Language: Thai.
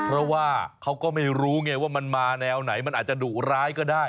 เพราะว่าเขาก็ไม่รู้ไงว่ามันมาแนวไหนมันอาจจะดุร้ายก็ได้